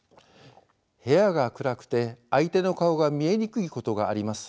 部屋が暗くて相手の顔が見えにくいことがあります。